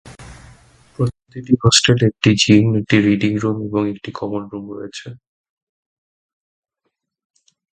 প্রতিটি হোস্টেলে একটি জিম, একটি রিডিং রুম এবং একটি কমন রুম রয়েছে।